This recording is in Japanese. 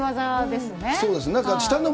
そうですね。